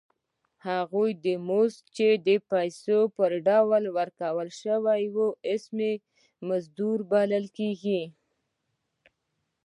هغه مزد چې د پیسو په ډول ورکړل شي اسمي مزد بلل کېږي